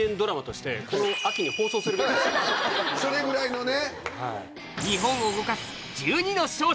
それぐらいのね。